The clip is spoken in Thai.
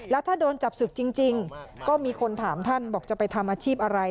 แล้วถ้าโดนจับศึกจริงก็มีคนถามท่านบอกจะไปทำอาชีพอะไร